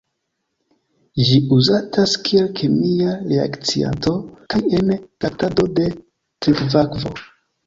Ĝi uzatas kiel kemia reakcianto kaj en traktado de trinkakvo.